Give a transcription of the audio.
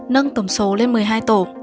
nâng tổng số lên một mươi hai tổ